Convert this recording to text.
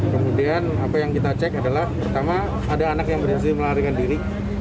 kemudian apa yang kita cek adalah pertama ada anak yang berhasil melarikan diri